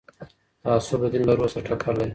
تعصب د دین له روح سره ټکر لري